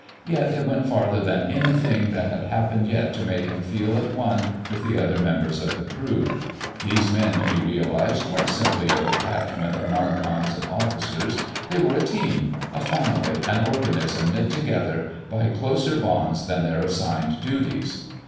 Yet it went farther than anything that had happened yet to make him feel at one with the other members of the crew. These men, he realized, weren't simply a detachment of non coms and officers. They were a team, a family, an organism knit together by closer bonds than their assigned duties.